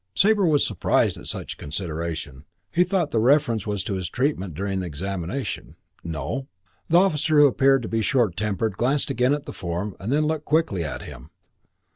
Sabre was surprised at such consideration. He thought the reference was to his treatment during examination. "No." The officer, who appeared to be short tempered, glanced again at the form and then looked quickly at him.